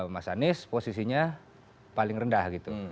mas anies posisinya paling rendah gitu